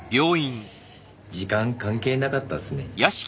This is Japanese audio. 時間関係なかったっすね。